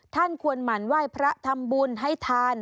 ท่านควรหมั่นไหว้พระทำบุญให้ทาน